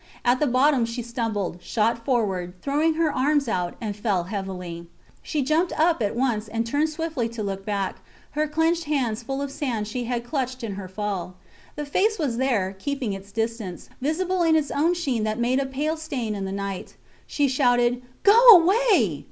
At the bottom she stumbled, shot forward, throwing her arms out, and fell heavily. She jumped up at once and turned swiftly to look back, her clenched hands full of sand she had clutched in her fall. The face was there, keeping its distance, visible in its own sheen that made a pale stain in the night. She shouted, Go away!